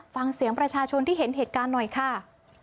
ฟังเสียงประชาชนที่เห็นเหตุการณ์หน่อยค่ะ